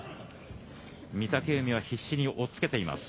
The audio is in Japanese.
御嶽海は必死に押っつけています。